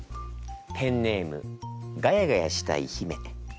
ペンネームガヤガヤしたいひめ。